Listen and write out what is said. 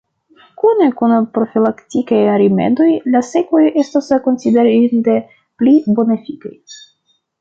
Kune kun profilaktikaj rimedoj la sekvoj estos konsiderinde pli bonefikaj.